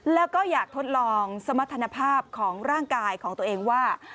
แล้วก็อยากทดลองสมรรถภาพของร่างกายของตัวเองว่า